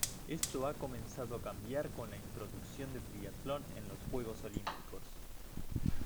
Esto ha comenzado a cambiar con la introducción de triatlón en los Juegos Olímpicos.